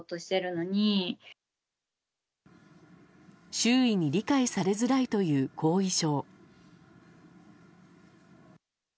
周囲に理解されづらいという後遺症。